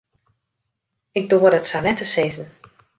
Ik doar it sa net te sizzen.